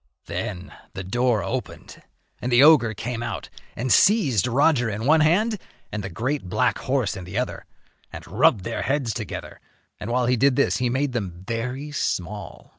Then the door opened and the ogre came out and seized Roger in one hand and the great black horse in the other and rubbed their heads together, and while he did this he made them very small.